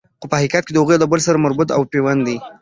خو په حقیقت کی هغوی یو د بل سره مربوط او پیوند دي